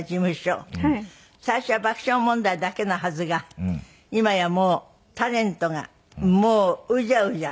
最初は爆笑問題だけのはずが今やもうタレントがもううじゃうじゃ。